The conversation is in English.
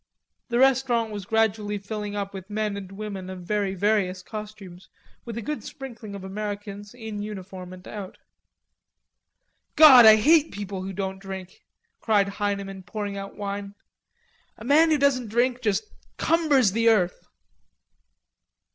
The restaurant was gradually filling up with men and women of very various costumes, with a good sprinkling of Americans in uniform and out. "God I hate people who don't drink," cried Heineman, pouring out wine. "A man who don't drink just cumbers the earth."